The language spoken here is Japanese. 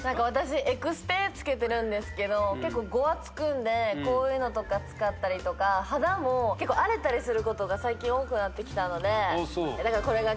私エクステ付けてるんですけど結構ゴワつくんでこういうのとか使ったりとか肌も結構荒れたりすることが最近多くなってきたのでああそう？